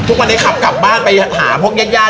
ทุกวันนี้ขับกลับบ้านไปหาพวกแย่